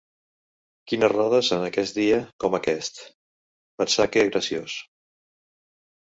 Quines rodes en aquest dia com aquest, per sake graciós?